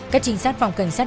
các trinh sát phòng cảnh sát